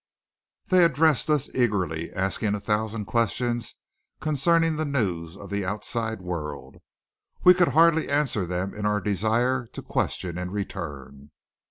They addressed us eagerly, asking a thousand questions concerning the news of the outside world. We could hardly answer them in our desire to question in return.